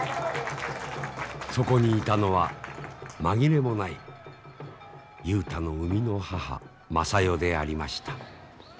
そこにいたのはまぎれもない雄太の生みの母昌代でありました。